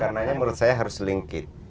karena menurut saya harus selingkit